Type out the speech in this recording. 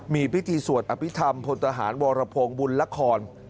มีพิธีสวดอภิษฐรรมพลทหารวรพงศ์บุญละคร